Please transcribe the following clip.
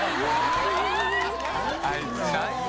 あいつ。